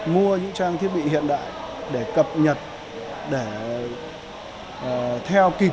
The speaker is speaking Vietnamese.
mua những trang thiết bị hiện đại để cập nhật